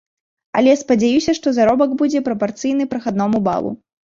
Але спадзяюся, што заробак будзе прапарцыйны прахадному балу.